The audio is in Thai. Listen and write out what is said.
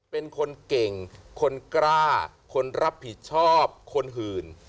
เป็นคนเก่งคนกล้าคนรับผิดชอบคนหื่น